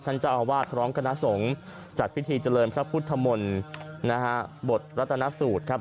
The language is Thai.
เจ้าอาวาสพร้อมคณะสงฆ์จัดพิธีเจริญพระพุทธมนต์นะฮะบทรัฐนสูตรครับ